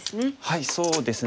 はいそうですね。